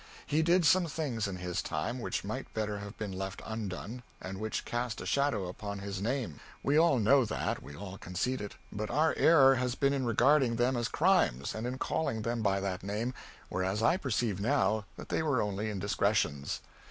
He did some things in his time, which might better have been left undone, and which cast a shadow upon his name we all know that, we all concede it but our error has been in regarding them as crimes and in calling them by that name, whereas I perceive now that they were only indiscretions.